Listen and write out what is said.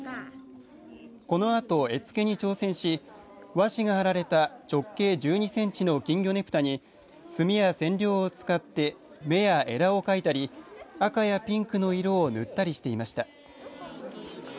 このあと絵付けに挑戦し和紙が貼られた直径１２センチの金魚ねぷたに墨や染料を使って目や、えらを描いたり赤やピンクの色を塗ったりしていました。